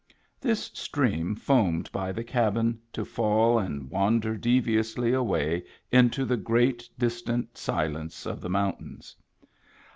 This stream foamed by the cabin to fall and wander devi ously away into the great, distant silence of the mountains.